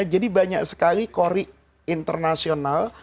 jadi banyak sekali korik internasional